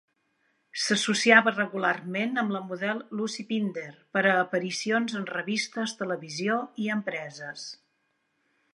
S'associava regularment amb la model Lucy Pinder per a aparicions en revistes, televisió i empreses.